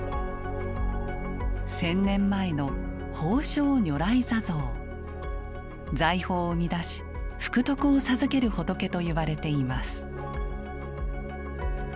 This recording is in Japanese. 千年前の財宝を生み出し福徳を授ける仏といわれています。